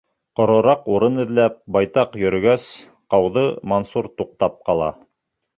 Ҡорораҡ урын эҙләп, байтаҡ йөрөгәс, ҡауҙы Мансур туҡтап ҡала.